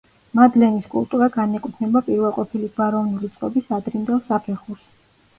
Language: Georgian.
მადლენის კულტურა განეკუთვნება პირველყოფილი გვაროვნული წყობის ადრინდელ საფეხურს.